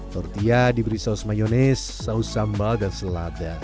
tortilla diberi saus mayonis saus sambal dan selada